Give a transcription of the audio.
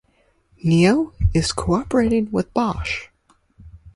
Nio is cooperating with Bosch.